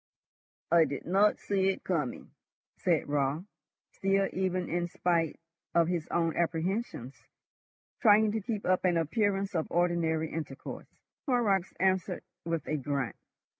"I did not see it coming," said Raut, still, even in spite of his own apprehensions, trying to keep up an appearance of ordinary intercourse. Horrocks answered with a grunt.